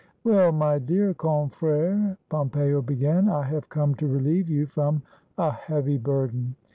"Well, my dear confrere," Pompeo began, "I have come to relieve you from a heavy burden.